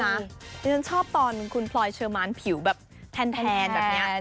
ดิฉันชอบตอนคุณพลอยเชิมานผิวแบบแทน